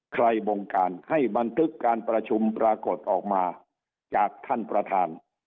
บงการให้บันทึกการประชุมปรากฏออกมาจากท่านประธาน